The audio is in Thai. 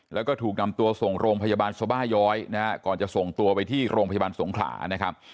แล้วก็ถูกนำตัวส่งโรงพยาบาลสบาย้อยนะฮะก่อนจะส่งตัวไปที่โรงพยาบาลสงขลานะครับ